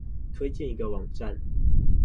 推薦一個網站